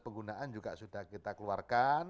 penggunaan juga sudah kita keluarkan